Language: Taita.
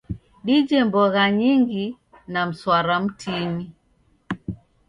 Dije mbogha nyingi na mswara mtini..